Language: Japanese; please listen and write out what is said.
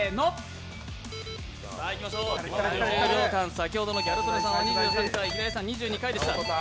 先ほどのギャル曽根さんは２３回、平井さんは２２回でした。